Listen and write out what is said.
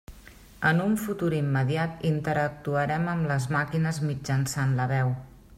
En un futur immediat interactuarem amb les màquines mitjançant la veu.